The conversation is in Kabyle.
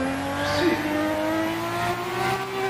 Fsi.